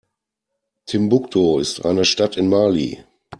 Timbuktu ist eine Stadt in Mali.